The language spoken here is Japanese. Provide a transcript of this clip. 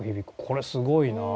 これすごいな。